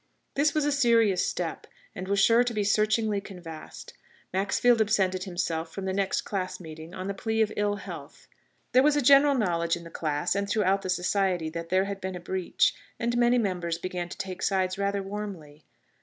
This was a serious step, and was sure to be searchingly canvassed. Maxfield absented himself from the next class meeting on the plea of ill health. There was a general knowledge in the class and throughout the Society that there had been a breach, and many members began to take sides rather warmly.